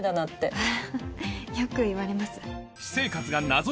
「アハハよく言われます」